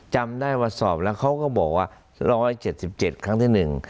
จำได้ว่าสอบแล้วเขาก็บอกว่าร้อยเจ็ดสิบเจ็ดครั้งที่หนึ่ง